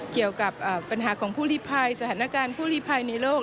เกี่ยวกับปัญหาของผู้ลิภัยสถานการณ์ผู้ลิภัยในโลก